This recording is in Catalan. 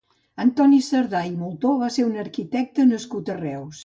Antoni Sardà i Moltó va ser un arquitecte nascut a Reus.